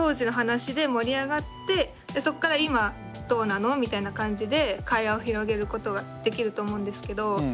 そこからみたいな感じで会話を広げることができると思うんですけど。